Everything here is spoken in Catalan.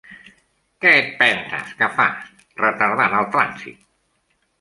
Què et penses que fas retardant el trànsit?